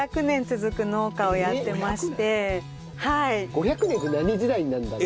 ５００年って何時代になるんだろう？